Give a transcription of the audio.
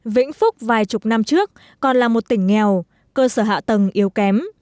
vĩnh phúc vài chục năm trước còn là một tỉnh nghèo cơ sở hạ tầng yếu kém